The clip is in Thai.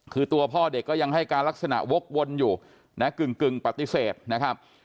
คือตัวพ่อเด็กก็ยังให้การลักษณะวกวนอยู่นะกึ่งปฏิเสธนะครับ